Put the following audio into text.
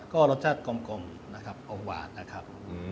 ก็รสชาติกลมนะครับออกหวานนะครับ